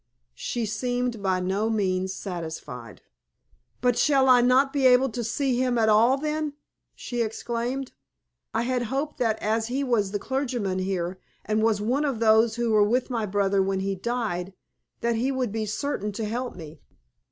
She seemed by no means satisfied. "But shall I not be able to see him at all, then?" she exclaimed. "I had hoped that as he was the clergyman here, and was one of those who were with my brother when he died, that he would be certain to help me."